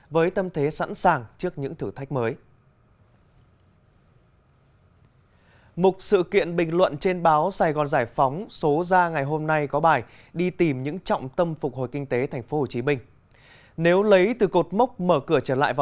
với tâm thế sẵn sàng trước những thử thách mới